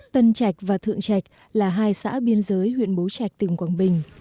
tân trạch và thượng trạch là hai xã biên giới huyện bố trạch tỉnh quảng bình